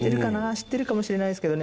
知ってるかもしれないですけどね